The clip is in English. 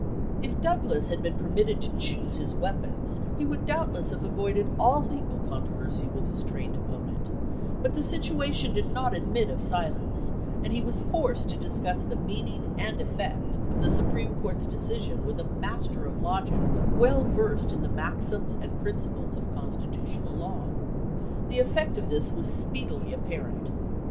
If Douglas had been permitted to choose his weapons he would doubtless have avoided all legal controversy with his trained opponent; but the situation did not admit of silence, and he was forced to discuss the meaning and effect of the Supreme Court's decision with a master of logic well versed in the maxims and principles of con stitutional law. The effect of this was speedily apparent.